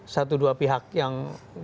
satu dua pihak yang